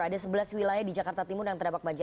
ada sebelas wilayah di jakarta timur yang terdampak banjir